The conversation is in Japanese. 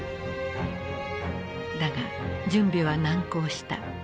だが準備は難航した。